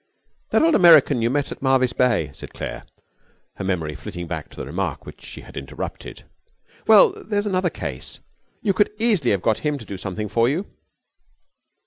'That old American you met at Marvis Bay,' said Claire, her memory flitting back to the remark which she had interrupted; 'well, there's another case. You could easily have got him to do something for you.'